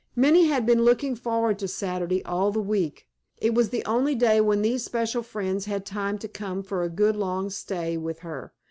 Minnie had been looking forward to Saturday all the week. It was the only day when these special friends had time to come for a good long stay with her.